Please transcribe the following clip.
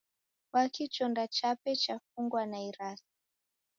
Kwaki chonda chape chafungwa na irasi?